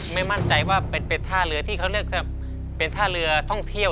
ไม่มั่นใจว่าเป็นท่าเรือที่เขาเรียกว่าเป็นท่าเรือท่องเที่ยว